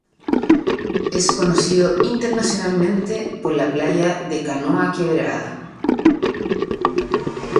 Es conocido internacionalmente por la playa de Canoa Quebrada.